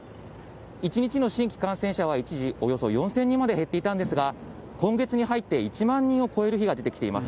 １日の新規感染者は一時およそ４０００人まで減っていたんですが、今月に入って、１万人を超える日が出てきています。